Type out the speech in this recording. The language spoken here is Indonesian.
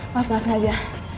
maaf ga sengaja